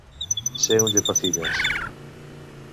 Ser un llepafigues.